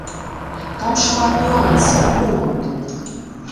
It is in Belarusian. Там шмат нюансаў, момантаў.